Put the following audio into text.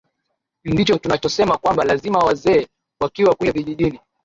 ndicho tunachosema kwamba lazima wazee wakiwa kule vijijini